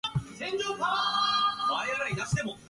宮城県七ヶ宿町